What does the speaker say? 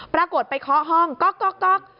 ปรากฏไปเคาะห้องก๊อกก๊อกก๊อก